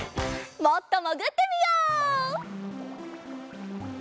もっともぐってみよう！